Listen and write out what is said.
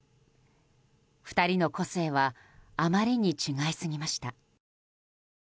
２人の個性はあまりに違いすぎました。